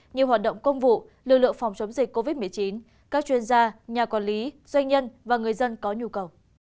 như hoạt động công vụ lực lượng phòng chống dịch covid một mươi chín các chuyên gia nhà quản lý doanh nhân và người dân có nhu cầu